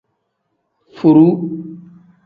Furuu.